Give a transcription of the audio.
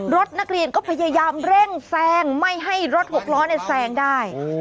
รถนักเรียนก็พยายามเร่งแซงไม่ให้รถหกล้อแซงได้